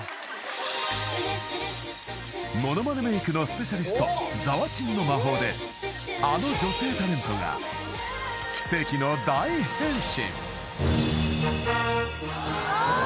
［ものまねメイクのスペシャリストざわちんの魔法であの女性タレントが奇跡の大変身］